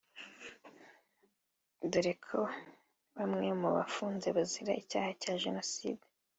dore ko bamwe mu bafunze bazira icyaha cya jenoside